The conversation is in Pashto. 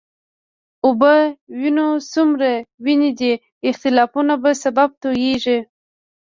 وبه وینو څومره وینې د دې اختلافونو په سبب تویېږي.